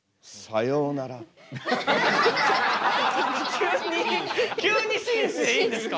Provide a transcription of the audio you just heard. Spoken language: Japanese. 急に急に紳士でいいんですか？